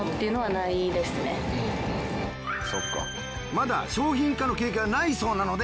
まだ商品化の経験はないそうなので